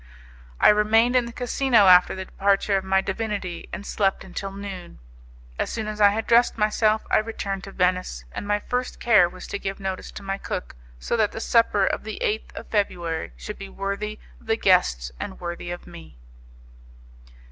I remained in the casino after the departure of my divinity, and slept until noon. As soon as I had dressed myself, I returned to Venice, and my first care was to give notice to my cook, so that the supper of the 8th of February should be worthy of the guests and worthy of me.